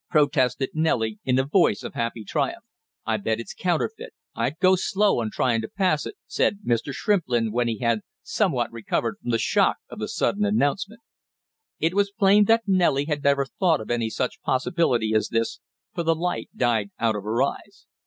protested Nellie, in a voice of happy triumph. "I'll bet it's counterfeit; I'd go slow on trying to pass it," said Mr. Shrimplin when he had somewhat recovered from the shock of the sudden announcement. It was plain that Nellie had never thought of any such possibility as this, for the light died out of her eyes.